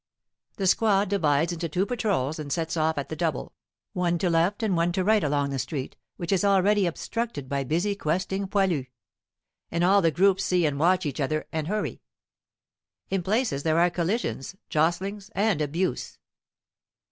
The squad divides into two patrols and sets off at the double, one to left and one to right along the street, which is already obstructed by busy questing poilus; and all the groups see and watch each other and hurry. In places there are collisions, jostlings, and abuse.